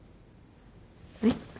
えっ？